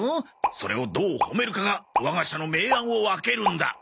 それをどう褒めるかが我が社の明暗を分けるんだ。